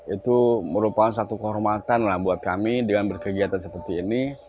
itu merupakan satu kehormatan lah buat kami dengan berkegiatan seperti ini